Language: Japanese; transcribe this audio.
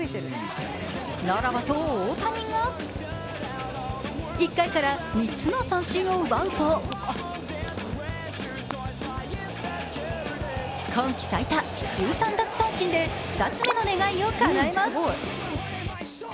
ならばと大谷が１回から３つの三振を奪うと今季最多１３奪三振で２つ目の願いをかなえます。